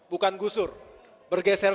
bukan gusur bergeser